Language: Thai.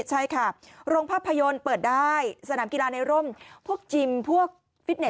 ใช่ค่ะโรงภาพยนตร์เปิดได้สนามกีฬาในร่มพวกจิมพวกฟิตเต็